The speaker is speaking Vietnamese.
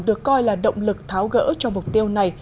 được coi là động lực tháo gỡ cho mục tiêu này